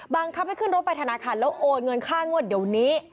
บังคับให้ขึ้นรถไปธนาคารแล้วโอนเงินค่างวดเดี๋ยวนี้